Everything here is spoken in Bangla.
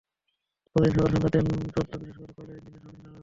প্রতিদিন সকাল সন্ধ্যা ট্রেন চলত বিশেষ করে কয়লার ইঞ্জিনের শব্দই ছিল আলাদা।